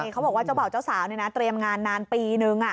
เขาบอกว่าเจ้าบ่าวเจ้าสาวเตรียมงานนานปีนึง